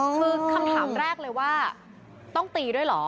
คือคำถามแรกเลยว่าต้องตีด้วยเหรอ